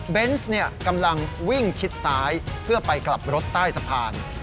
เบนซ์เนี่ยกำลังวิ่งชิดซ้ายเพื่อไปกลับรถใต้สะพาน